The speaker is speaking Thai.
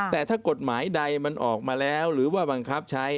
แต่ถ้ากฎหมายใดมันออกมาแล้วหรือว่าบังคับใช้